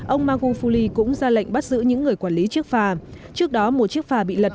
ông magufuli cũng ra lệnh bắt giữ những người quản lý chiếc phà trước đó một chiếc phà bị lật